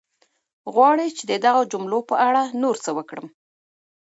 غواړې چې د دغو جملو په اړه نور څه وکړم؟